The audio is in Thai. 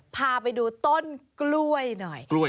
พาไปดูต้นกล้วยหน่อย